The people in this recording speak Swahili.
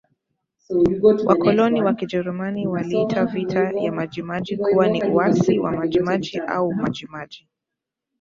Wakoloni wa Kijerumani waliita Vita ya Majimaji kuwa ni uasi wa Majimaji au Majimaji